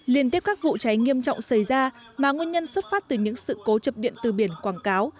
liên tiếp các vụ cháy nghiêm trọng xảy ra mà nguyên nhân xuất phát từ những sự cố chập điện từ biển quảng cáo